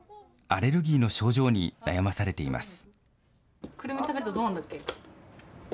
アレルギーの症状に悩まされています。